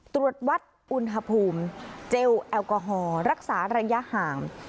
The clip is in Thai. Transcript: ตรวจวัดอุณหภูมิเจลแอลกอฮอล์รักษาระยะห่าง